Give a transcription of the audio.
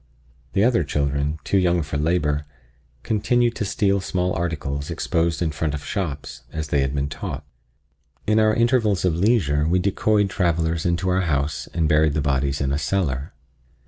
The other children, too young for labor, continued to steal small articles exposed in front of shops, as they had been taught. In our intervals of leisure we decoyed travelers into our house and buried the bodies in a cellar.